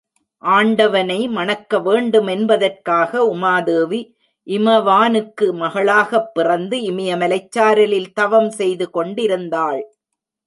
ஆண்டவனை மணக்க வேண்டுமென்பதற்காக உமாதேவி இமவானுக்கு மகளாகப் பிறந்து, இமயமலைச் சாரலில் தவம் செய்து கொண்டிருந்தாள்.